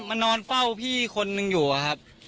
มันนอนเฝ้าพี่คนหนึ่งอยู่ครับ